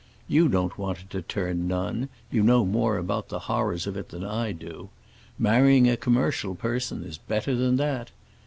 You don't want her to turn nun—you know more about the horrors of it than I do. Marrying a commercial person is better than that.